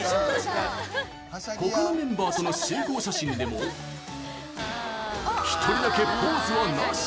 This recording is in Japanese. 他のメンバーとの集合写真でも一人だけポーズは、なし！